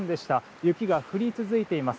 雪が降り続いています。